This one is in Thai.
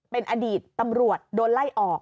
เป็นอดีตตำรวจโดนไล่ออก